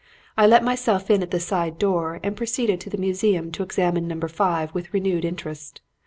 I let myself in at the side door and proceeded to the museum to examine Number Five with renewed interest.